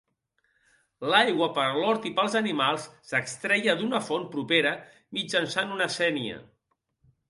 L'aigua per a l'hort i pels animals s'extreia d'una font propera mitjançant una sénia.